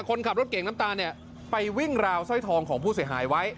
คนขับรถเก่งน้ำตาลเนี่ยไปวิ่งราวสร้อยทองของผู้เสียหายไว้